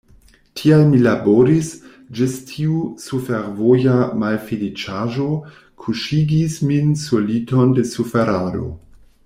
Tial mi laboris, ĝis tiu surfervoja malfeliĉaĵo kuŝigis min sur liton de suferado.